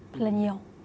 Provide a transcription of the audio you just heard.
rất là nhiều